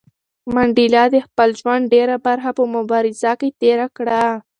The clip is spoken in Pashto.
منډېلا د خپل ژوند ډېره برخه په مبارزه کې تېره کړه.